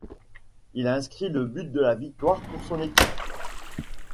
Il inscrit le but de la victoire pour son équipe.